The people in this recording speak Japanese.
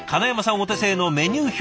お手製のメニュー表。